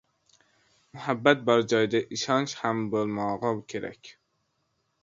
Muhabbat bor joyda ishonch ham bo‘lmog‘i kerak.